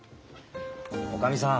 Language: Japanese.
おかみさん